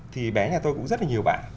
thì bé nhà tôi cũng rất là nhiều bạn